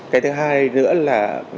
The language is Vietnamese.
cái thứ hai nữa là